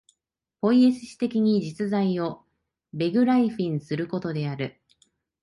ポイエシス的に実在をベグライフェンすることである。